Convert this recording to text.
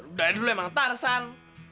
budaya dulu emang tarzan